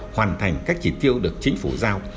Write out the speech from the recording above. hoàn thành các chỉ tiêu được chính phủ giao